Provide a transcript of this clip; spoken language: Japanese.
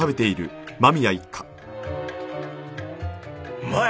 うまい！